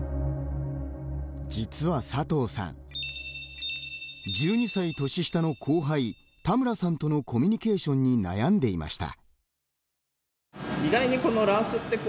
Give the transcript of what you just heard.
実は佐藤さん１２歳年下の後輩・田村さんとのコミュニケーションに悩んでいました。